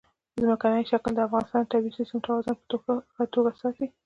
ځمکنی شکل د افغانستان د طبعي سیسټم توازن په ښه توګه ساتي.